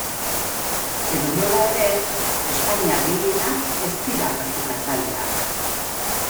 Edonola ere, espainiar gehienak ez dira praktikatzaileak.